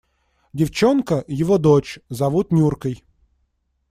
Девчонка – его дочь, зовут Нюркой.